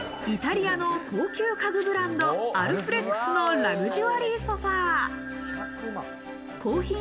イタリアの高級家具ブランド、アルフレックスのラグジュアリーソファー。